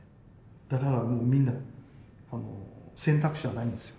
だからもうみんな選択肢はないんですよ。